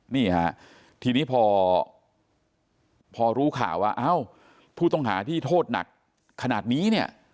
นี่ค่ะทีนี้พอรู้ข่าวว่าพูดต้องหาที่โทษหนักขนาดนี้